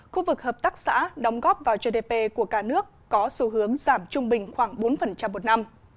khu vực hợp tác xã đóng góp vào gdp của cả nước có xu hướng giảm trung bình khoảng bốn một năm